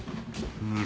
うん。